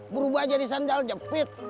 berubah jadi sendal jepit